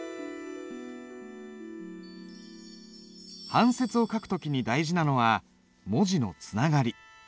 半切を書く時に大事なのは文字のつながり。